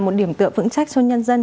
một điểm tựa phững trách cho nhân dân